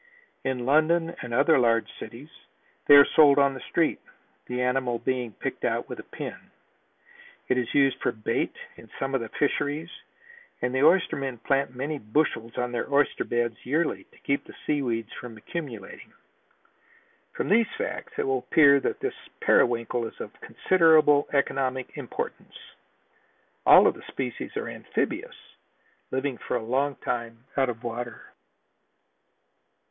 In London and other large cities they are sold on the street, the animal being picked out with a pin. It is used for bait in some of the fisheries and the oystermen plant many bushels on their oyster beds yearly to keep the seaweeds from accumulating. From these facts it will appear that this periwinkle is of considerable economic importance. All of the species are amphibious, living for a long time out of the water.